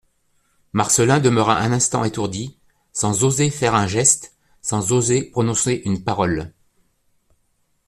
Marcelin demeura un instant étourdi, sans oser faire un geste, sans oser prononcer une parole.